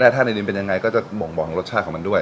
และถ้าในดินเป็นยังไงก็จะมองรสชาติของมันด้วย